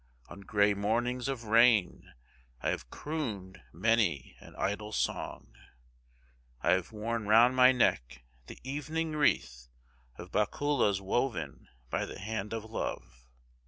On grey mornings of rain I have crooned many an idle song. I have worn round my neck the evening wreath of bakulas woven by the hand of love.